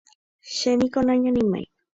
Chéniko nañanimái.